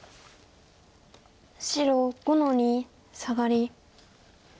白５の二サガリ。